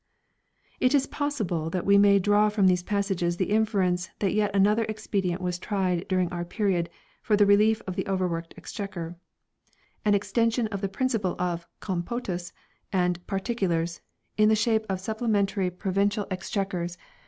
4 It is possible that we may draw from these passages the inference that yet another expedient was tried during our period for the relief of the overworked Ex chequer ; an extension of the principle of " Compotus " and "particulars," in the shape of supplementary pro 1 "Exchequer," chap.